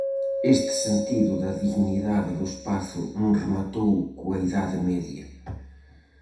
Este sentido da dignidade do espazo non rematou coa Idade Media.